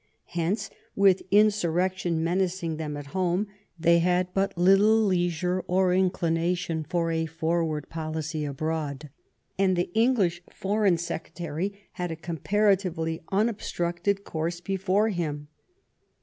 Uence, with insurrection menacing them at home, they had but little leisure or inclination for a forward policy abroad ; and the English Foreign Secre tary had a comparatively unobstructed course before him.